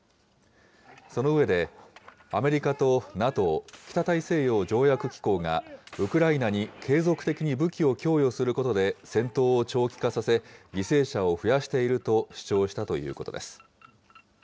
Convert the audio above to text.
その上で、アメリカとＮＡＴＯ・北大西洋条約機構がウクライナに継続的に武器を供与することで、戦闘を長期化させ、犠牲者を増やしていると主張したということです。